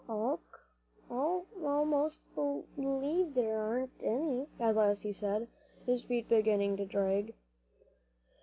"I most b'lieve there aren't any," at last he said, his feet beginning to drag.